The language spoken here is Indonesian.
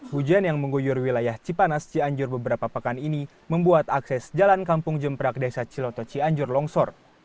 hujan yang mengguyur wilayah cipanas cianjur beberapa pekan ini membuat akses jalan kampung jemprak desa ciloto cianjur longsor